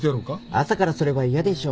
朝からそれは嫌でしょ。